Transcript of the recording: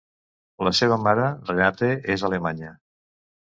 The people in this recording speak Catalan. La seva mare, Renate, és alemanya.